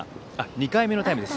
２回目のタイムです。